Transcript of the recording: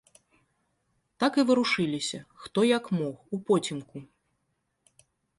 Так і варушыліся, хто як мог, упоцемку.